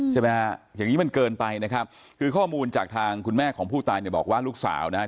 ใช่ไหมฮะอย่างนี้มันเกินไปนะครับคือข้อมูลจากทางคุณแม่ของผู้ตายเนี่ยบอกว่าลูกสาวนะฮะ